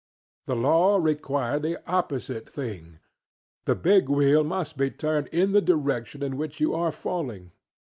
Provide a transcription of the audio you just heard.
The law required the opposite thingŌĆöthe big wheel must be turned in the direction in which you are falling.